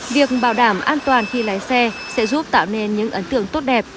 việc bảo đảm an toàn khi lái xe sẽ giúp tạo nên những ấn tượng tốt đẹp